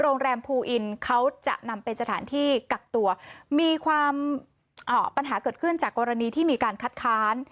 โรงแรมภูอินเขาจะนำเป็นสถานที่กักตัวมีความปัญหาเกิดขึ้นจากกรณีที่มีการคัดค้าน